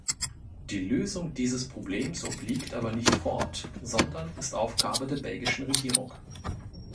Die Lösung dieses Problems obliegt aber nicht Ford, sondern ist Aufgabe der belgischen Regierung.